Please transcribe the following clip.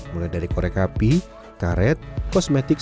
mulai dari korek api karet kosmetik